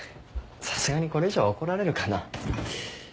さすがにこれ以上は怒られるかな。